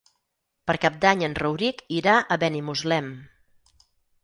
Per Cap d'Any en Rauric irà a Benimuslem.